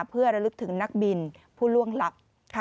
เพื่อระลึกถึงนักบินผู้ล่วงลับ